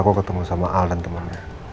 aku ketemu sama al dan temannya